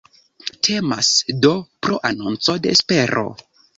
Temas, do, pro anonco de espero.